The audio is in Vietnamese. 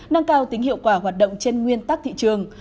nâng cao tính hiệu quả hoạt động trên nguyên tắc thị trường